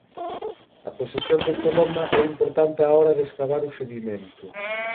A posesión de celoma é importante á hora de escavar o sedimento.